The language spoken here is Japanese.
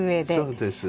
そうです。